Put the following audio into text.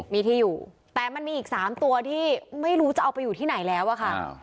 มีที่อยู่แต่มันมีอีก๓ตัวที่ไม่รู้จะเอาไปอยู่ที่ไหนแล้วอะค่ะ